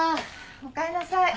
おかえりなさい。